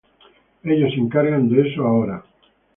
Ellos se encargan de eso ahora.